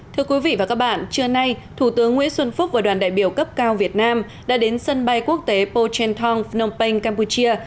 thưa quý vị và các bạn trưa nay thủ tướng nguyễn xuân phúc và đoàn đại biểu cấp cao việt nam đã đến sân bay quốc tế pochen thong phnom penh campuchia